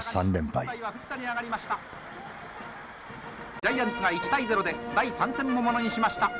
ジャイアンツが１対０で第３戦もものにしました。